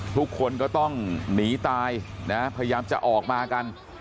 ทุกคนก็ต้องหนีตายนะพยายามจะออกมากัน